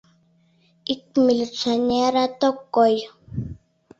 Ик милиционерат ок кой.